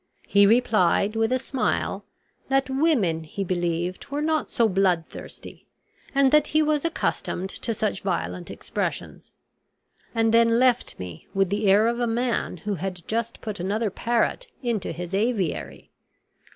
He replied, with a smile, that women, he believed, were not so bloodthirsty, and that he was accustomed to such violent expressions; and then left me with the air of a man who had just put another parrot into his aviary.